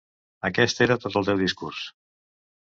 Aquest era tot el teu discurs.